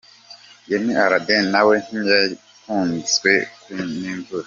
Yemi Alade na we ntiyakanzwe n’imvura.